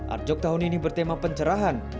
arjok tahun ini bertema pencerahan